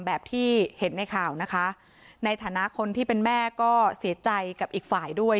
แบบที่เห็นในข่าวนะคะในฐานะคนที่เป็นแม่ก็เสียใจกับอีกฝ่ายด้วย